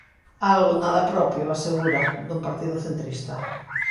Algo, nada propio, asegura, dun partido centrista.